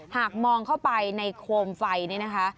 หากมองเข้าไปในโคมไฟนี่นะคะ